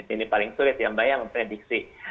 ini paling sulit ya mbak ya memprediksi